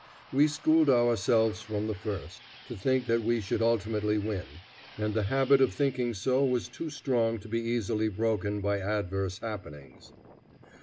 We schooled ourselves from the first to think that we should ultimately win, and the habit of thinking so was too strong to be easily broken by adverse happenings.